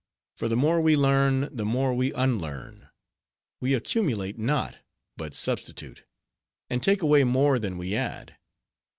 For the more we learn, the more we unlearn; we accumulate not, but substitute; and take away, more than we add.